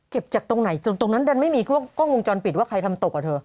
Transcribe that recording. จากตรงไหนตรงนั้นดันไม่มีพวกกล้องวงจรปิดว่าใครทำตกอ่ะเธอ